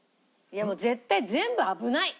もう絶対全部危ない！